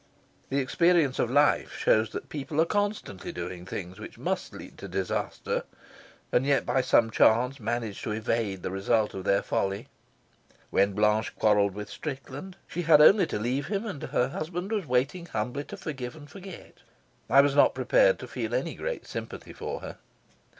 The experience of life shows that people are constantly doing things which must lead to disaster, and yet by some chance manage to evade the result of their folly. When Blanche quarrelled with Strickland she had only to leave him, and her husband was waiting humbly to forgive and forget. I was not prepared to feel any great sympathy for her.